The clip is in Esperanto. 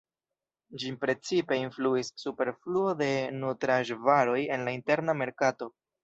Ĝin precipe influis superfluo de nutraĵvaroj en la interna merkato.